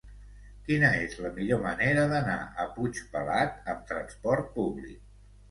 Quina és la millor manera d'anar a Puigpelat amb trasport públic?